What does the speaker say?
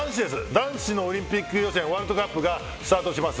男子のオリンピック予選ワールドカップがスタートします。